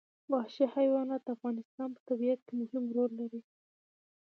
وحشي حیوانات د افغانستان په طبیعت کې مهم رول لري.